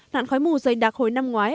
nạn khói mù dày đặc hồi năm ngoái